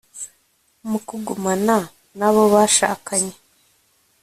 mu kugumana na bo bashakanye